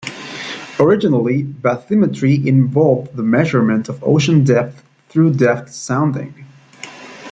Originally, bathymetry involved the measurement of ocean depth through depth sounding.